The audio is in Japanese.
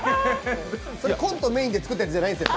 コントメインで作ったやつじゃないんですよ。